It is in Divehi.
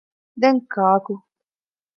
ދެން ކާކު؟